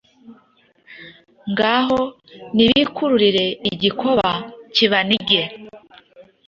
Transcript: Ngaho nibikururire Igikoba cyibanige